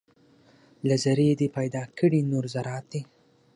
له ذرې دې پیدا کړي نور ذرات دي